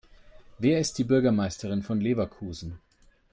Wer ist die Bürgermeisterin von Leverkusen?